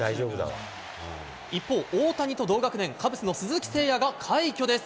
一方、大谷と同学年、カブスの鈴木誠也が快挙です。